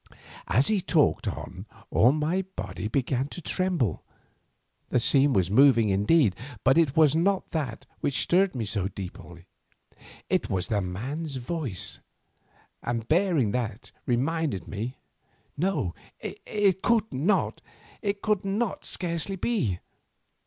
As he talked on, all my body began to tremble. The scene was moving indeed, but it was not that which stirred me so deeply, it was the man's voice and bearing that reminded me—no, it could scarcely be!